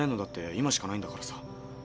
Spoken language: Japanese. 今しかないんだからさ。